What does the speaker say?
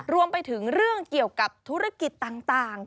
รวมไปถึงเรื่องเกี่ยวกับธุรกิจต่าง